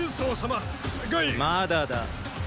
まだだ。